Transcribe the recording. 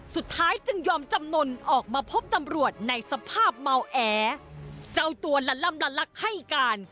สุดท้ายจึงยอมจำนวนออกมาพบตำรวจในสภาพเมาแอเจ้าตัวละล่ำละลักให้การ